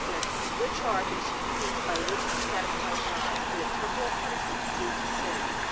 Which are the chief means by which we satisfy God for the temporal punishment due to sin?